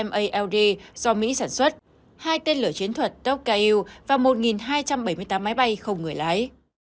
hai máy bay ld do mỹ sản xuất hai tên lửa chiến thuật tocca u và một hai trăm bảy mươi tám máy bay không người lái